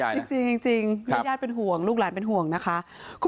จริงจริงจริงคุณยายเป็นห่วงลูกหลานเป็นห่วงนะคะ